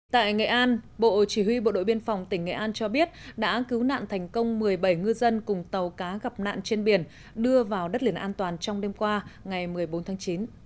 tại nghệ an bộ chỉ huy bộ đội biên phòng tỉnh nghệ an cho biết đã cứu nạn thành công một mươi bảy ngư dân cùng tàu cá gặp nạn trên biển đưa vào đất liền an toàn trong đêm qua ngày một mươi bốn tháng chín